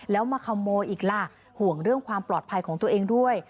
แล้วมาขโมยอีกล่ะห่วงเรื่องความปลอดภัยของตัวเองด้วย